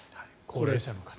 高齢者の方。